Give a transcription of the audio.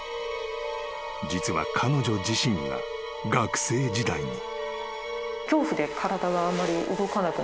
［実は彼女自身が学生時代に］